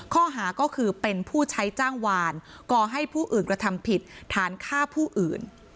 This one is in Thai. ข้อหาก็คือเป็นผู้ใช้จ้างวานก่อให้ผู้อื่นกระทำผิดฐานฆ่าผู้อื่น